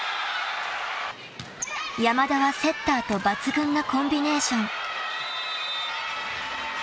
［山田はセッターと抜群なコンビネーション］